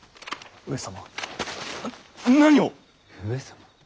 上様！